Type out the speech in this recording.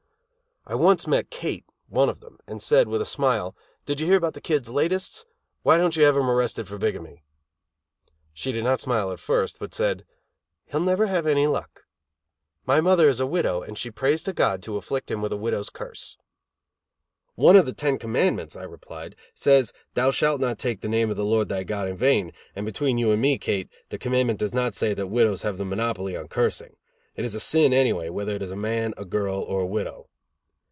I once met Kate, one of them, and said, with a smile: "Did you hear about the Kid's latest? Why don't you have him arrested for bigamy?" She did not smile at first, but said: "He'll never have any luck. My mother is a widow, and she prays to God to afflict him with a widow's curse." "One of the Ten Commandments," I replied, "says, 'thou shalt not take the name of the Lord thy God in vain,' and between you and me, Kate, the commandment does not say that widows have the monopoly on cursing. It is a sin, anyway, whether it is a man, a girl or a widow."